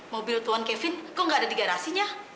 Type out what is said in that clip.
mobil tuan kevin kok nggak ada di garasinya